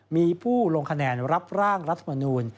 มีผู้ลงคะแนนรับร่างรัฐมนูล